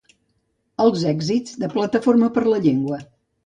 Els èxits de Plataforma per la Llengua.